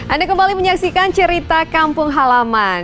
anda kembali menyaksikan cerita kampung halaman